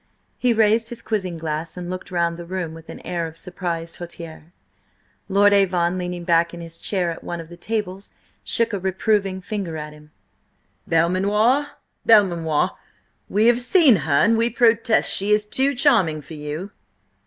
He raised his quizzing glass and looked round the room with an air of surprised hauteur. Lord Avon, leaning back in his chair at one of the tables, shook a reproving finger at him. "Belmanoir, Belmanoir, we have seen her and we protest she is too charming for you!"